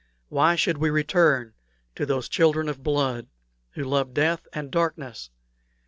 Why should we return to those children of blood, who loved death and darkness?